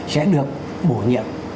sẽ được bổ nhiệm